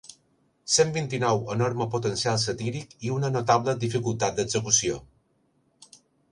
Cent vint-i-nou enorme potencial satíric i una notable dificultat d'execució.